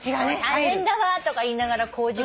「大変だわ」とか言いながらこうじ